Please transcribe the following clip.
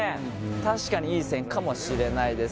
確かにいい線かもしれないです